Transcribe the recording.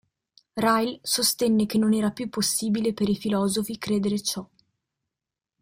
Ryle sostenne che non era più possibile per i filosofi credere ciò.